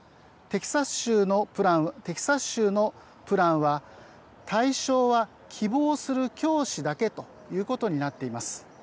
テキサス州のプランは対象は希望する教師だけということになっています。